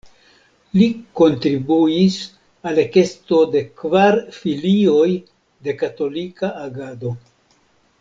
Li kontribuis al ekesto de kvar filioj de Katolika Agado.